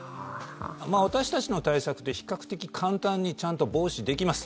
私たちの対策って、比較的簡単にちゃんと防止できます。